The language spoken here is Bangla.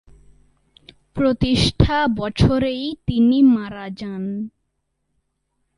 প্রতিষ্ঠা বছরেই তিনি মারা যান।